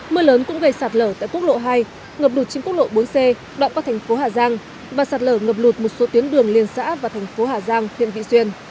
mưa lớn cũng gây sạt lở tại quốc lộ hai ngập lụt trên quốc lộ bốn c đoạn qua thành phố hà giang và sạt lở ngập lụt một số tuyến đường liên xã và thành phố hà giang huyện vị xuyên